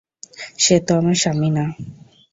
সে তো আমার স্বামী না!